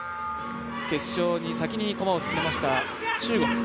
決勝に先に駒を進めました中国。